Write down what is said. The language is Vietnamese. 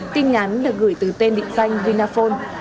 tin nhắn được gửi từ tên định danh vinaphone